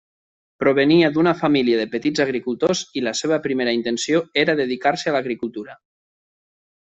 Provenia d'una família de petits agricultors i la seva primera intenció era dedicar-se a l'agricultura.